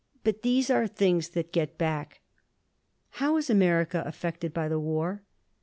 But these are things that get back. "How is America affected by the war?"